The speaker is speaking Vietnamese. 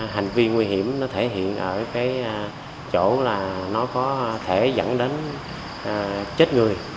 hành vi nguy hiểm thể hiện ở chỗ có thể dẫn đến chết người